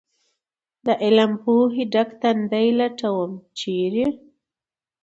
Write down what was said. علم پوهې ډک تندي لټوم ، چېرې ؟